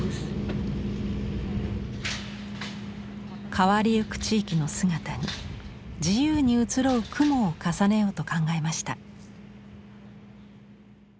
変わりゆく地域の姿に自由に移ろう「雲」を重ねようと考えました。